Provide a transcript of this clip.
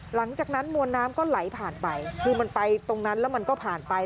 หลังจากนั้นมวลน้ำก็ไหลผ่านไปคือมันไปตรงนั้นแล้วมันก็ผ่านไป